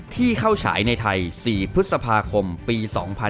ที่เข้าฉายในไทย๔พฤษภาคมปี๒๕๕๙